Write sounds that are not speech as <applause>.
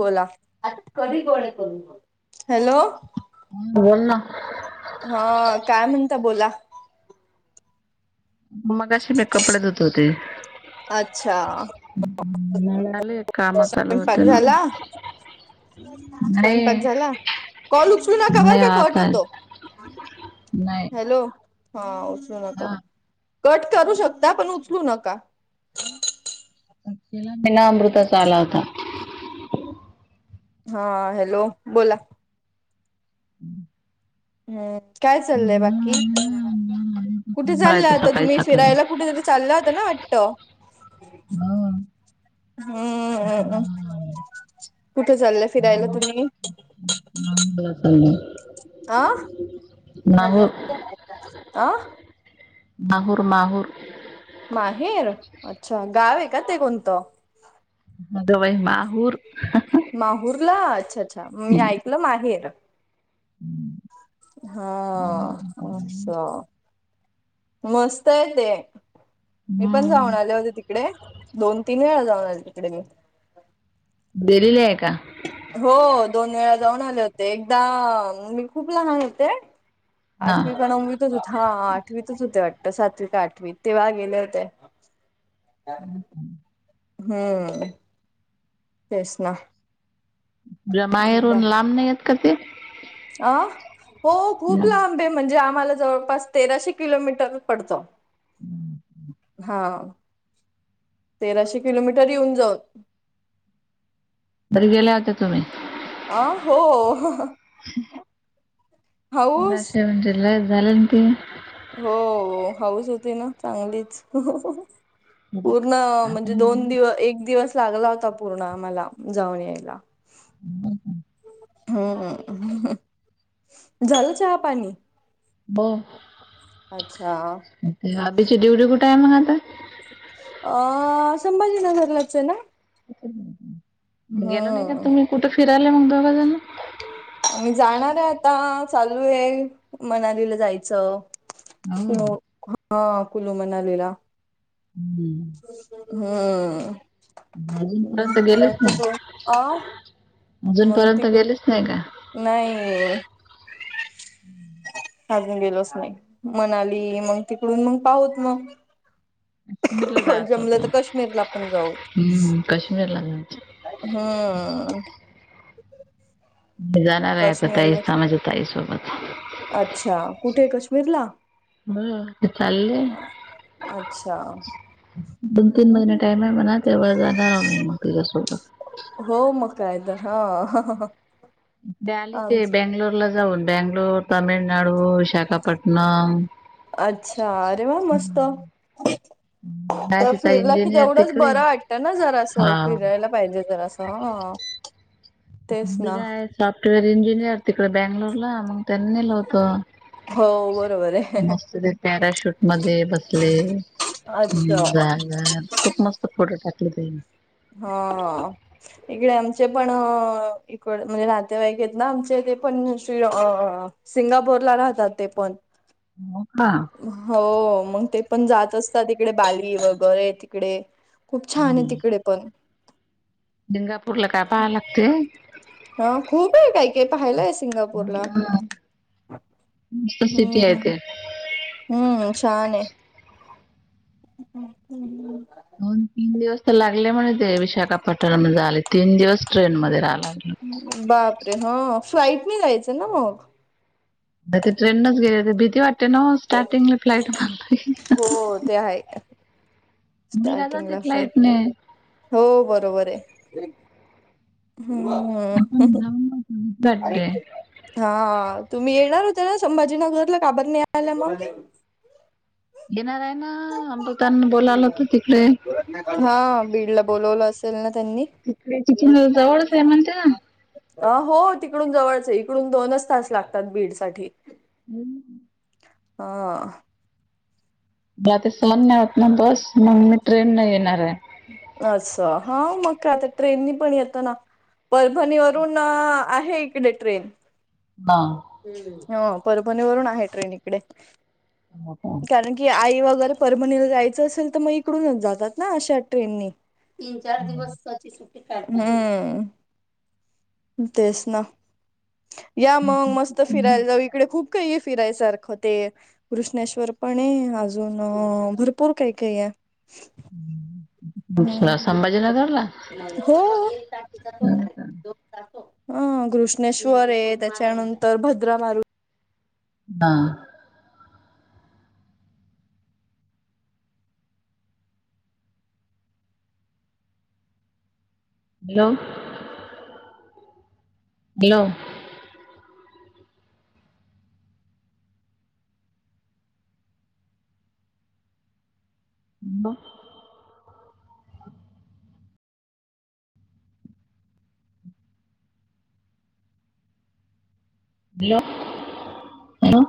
बोला <unintelligible> हॅलो बोल ना. हा, काय म्हणता बोला. मगाशी मी कपडे धुत होते. अच्छा. मिळाले. स्वयंपाक झाला. नाही स्वयंपाक झाला. कॉल उचलू नका बरं नाही कट आता होतो. नाही हॅलो. हा उचलू नका हा कट करू शकता, पण उचलू नका. मला अमृताचा आला होता. हा हॅलो बोला. हम्म. हम्म काय चाललंय बाकी, कुठे चालला राहते आता सकाळी तुम्ही सकाळी फिरायला कुठेतरी. चालला होता ना? वाटतं. हो तिथे हम्ममम्मम्, जाणार आहे. कुठे चाललंय फिरायला तुम्ही? <unintelligible> आ, माहूर आ? माहुर माहुर! माहेर! अच्छा गाव आहे का ते कोणतं? मग वई माहूर. माहूर ला! अच्छा अच्छा, मी ऐकलं माहेर. <inaudible> हा, हम्म. आच्छा! मस्त आहे ते, मी पण जाऊन आले होते तिकडे दोन तीन वेळा जाऊन आले. कडे. गेलेली आहे का? हो दोन वेळा जाऊन आले होते, एकदा मी खूप लहान होते. हा आठवी का नववी? हो हा आठवीतच होते वाट सातवी का आठवी तेव्हा गेले होते. हम्म तेच ना! माहेरून लांब नाही आहेत का ते? आ हो खूप जाऊ. लाब. कुठे म्हणजे आम्हाला जवळपास तेराशे किलोमीटर पडतो. हा. तेराशे किलोमीटर येऊन जाऊन. तरी गेल्या होते तुम्ही? आ हो. <unintelligible> झालं हाऊस ना ते? हो, हाऊस होती ना चांगलीच. पूर्ण म्हणजे दोन दिव एक दिवस लागला होता पूर्ण आम्हाला जाऊन यायला. <inaudible> हम्म हम, झालं चहा पाणी? ब <unintelligible> अच्छा. बाबीची ड्युटी कुठा आहे मग आत्ता? अ, संभाजीनगरलाच आहे ना? गेल नाही का हम्म तुम्ही कुठे फिरायला मुंबई बजल? मी जाणार आहे आता, चालू आहे मनालीला जायचं! हो हा कुलू म्हणालेला. हम्म. हा. अजूनपर्यंत गेलेच नाही. अजूनपर्यंत मतीप ह गेलेच नाही का? <unintelligible> नाही. अजून गेलोच नाही मणाली मग तिकडून मग पाहत मग. काश्मीरला जायचं जमलं होतं. तर काश्मीरला पण जाऊ. हम्म काश्मीरला जायचं. हा. मग जाणार आहे आता, काश्मीरला ताईचा माझ्या ताईसोबत. अच्छा कुठे काश्मीरला? हा चालले. अच्छा! तुम्ही टाइम म्हणा तेव्हा जाणार आम्ही. <unintelligible> हो मग कायतर, हा. आली ते बेंगलोरला जाऊन. बेंगलोर, तामिळनाडू विशाखापटणम. अच्छा, अरे वा मस्त! आहे तर तिचा फिरला कि इंजिनियर तेवढंच तिकडे बरं वाटतं ना जरा असं हा फिरायला. पाहिजे तर असं ह. मुलगा सॉफ्टवेअर इंजिनियर तिकडे बंगलोरला मग त्यांनी नेलं होत. हो बरोबर आहे. मस्त ते पॅराशूट मध्ये बसले. हम्म अच्छा बर बर खूप मस्त फोटो टाकले त्यांनी. हो.. इकडे आमचे पण इकड म्हणजे नातेवाईक आहेत ना आमचे ते पण श्री अ. सिंगापूर ला राहतात ते पण. मग हा.. हो मग ते पण जात असतात तिकडे बाली वगैरे तिकडे. खूप छान आहे तिकडे पण. डिंगापूरला काय पहांय लागते. हा खूप आहे काही. ते पाहिलंय ते मंसिंगापूरला मस्त हम् सिटी आहे ह. ते हम्म छान आहे. हम् हम्. दोन तीन दिवस तर लागले म्हणे ते विशाखापट्टणम झाले तीन दिवस ट्रेन मध्ये राहिला. बापरे! हा फ्लाईट मी जायचं ना मग. द ते ट्रेनच गेले भीती वाटते ना स्टार्टिंगला फ्लाईट बन हो ते आहे. मी जाते स्टार्टिंगला फ्लाईट फ्लाइटनेे. हो बरोबर आहे हम्म ह ह. हम्. हा तुम्ही येणार होता ना संभाजीनगरला का बर नाही आला मग. घेणार आहे ना अंबतांना बोलालं होत तिकडे. हा बीड ला बोलवलं असेल ना त्यांनी. तिथल्या तिथून जवळ आहे म्हणत्या अ हो तिकडून जवळच आहे इकडून दोनच तास लागतात बीड साठी. हम्. हा. रात्री सहन नाही होत ना बस मग मी ट्रेन येणार आहे. अस हा मग का आता ट्रेननी पण येतं ना. परभणीवरून आहे इकडे ट्रेन. बा. हा परभणी वरून आहे ट्रेन इकडे हो का? कारण- की आई वगैरे परभणीला जायचं असेल तर मग इकडूनच जातात ना अशा ट्रेननि. तीन चार दिवसाची सुट्टी काढ हम् तेच ना. या मग मस्त फिरायला जाऊ इकडे खूप काही फिरायसारखं ते. कृष्णेश्वर पण आहे अजून भरपूर अ काही काही आहे. भूषण हम्म संभाजीनगर ला. हो.. ह कृष्णेश्वर आहे त्याच्यानंतर भद्रा मारू हा.. हॅलो. हॅलो. ब. हॅलो. हॅलो